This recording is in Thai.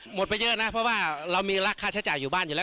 ไปเยอะนะเพราะว่าเรามีค่าใช้จ่ายอยู่บ้านอยู่แล้ว